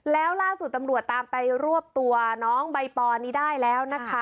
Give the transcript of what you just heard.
แล้วล่าสุดตำรวจตามไปรวบตัวน้องใบปอนนี้ได้แล้วนะคะ